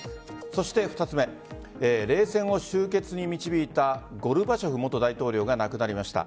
そして、２つ目冷戦を終結に導いたゴルバチョフ元大統領が亡くなりました。